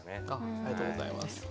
ありがとうございます。